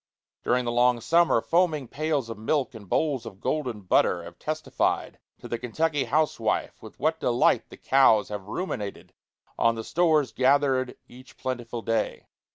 During the long summer, foaming pails of milk and bowls of golden butter have testified to the Kentucky housewife with what delight the cows have ruminated on the stores gathered each plentiful day.